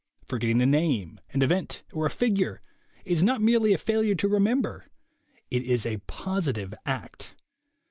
Forgetting a name, an event or a figure, is not merely failure to remember; it is a positive act.